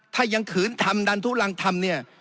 ถ้ายังขืนทำดันทุลังทำเนี่ย